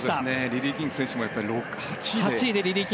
リリー・キング選手も８位で。